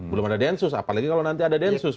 belum ada densus apalagi kalau nanti ada densus